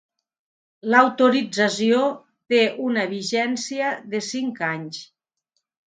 L'autorització té una vigència de cinc anys.